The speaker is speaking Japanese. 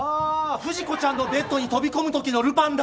不二子ちゃんのベッドに飛び込む時のルパンだ！